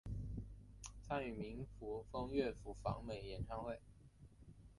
参与民风乐府访美演唱会。